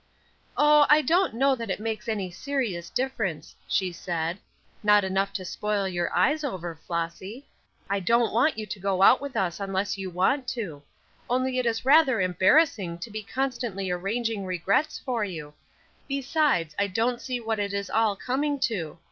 "Oh, I don't know that it makes any serious difference," she said; "not enough to spoil your eyes over, Flossy. I don't want you to go out with us unless you want to; only it is rather embarrassing to be constantly arranging regrets for you. Besides, I don't see what it is all coming to.